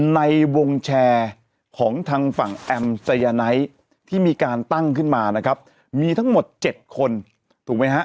ในวงแชร์ของทางฝั่งแอมไซยาไนท์ที่มีการตั้งขึ้นมานะครับมีทั้งหมด๗คนถูกไหมฮะ